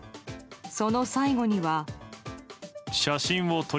その最後には。